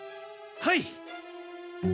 はい！